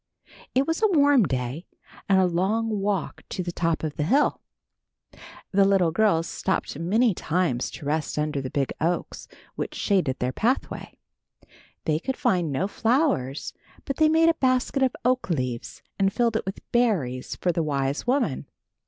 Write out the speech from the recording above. It was a warm day and a long walk to the top of the hill. The little girls stopped many times to rest under the oak trees which shaded their pathway. They could find no flowers, but they made a basket of oak leaves and filled it with berries for the wise woman.